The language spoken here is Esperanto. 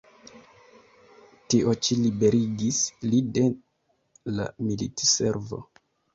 Tio ĉi liberigis li de la militservo.